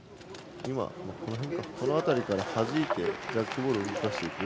この辺りからはじいてジャックボールを動かしていく。